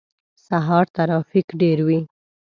سهار ترافیک ډیر وی